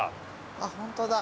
あっホントだ。